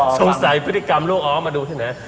สงสัยพฤติกรรมลูกอ๋อมาดูที่ไหน